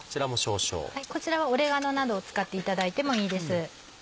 こちらはオレガノなどを使っていただいてもいいです。